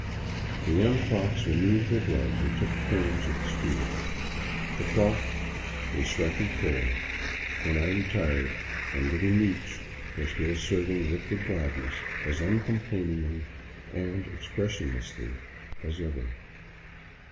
The young fops removed their gloves and took turns on the stool. The clock was striking four when I retired, and little " Meech " was still serving liquid gladness as uncomplainingly and expressionlessly as ever.